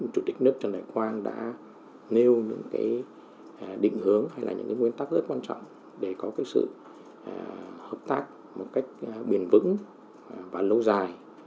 chủ tịch nước trần đại quang đã nêu những định hướng hay là những nguyên tắc rất quan trọng để có sự hợp tác một cách bền vững và lâu dài